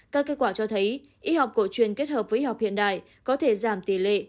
các kết quả cho thấy y học cổ truyền kết hợp với y học hiện đại có thể giảm tỷ lệ